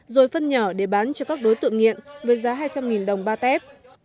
rồi phân nhỏ để bán cho các đối tượng nghiện với giá hai trăm linh đồng ba tép